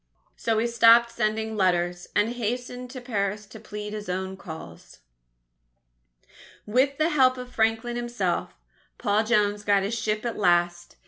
_ So he stopped sending letters, and hastened to Paris to plead his own cause. With the help of Franklin himself, Paul Jones got his ship at last.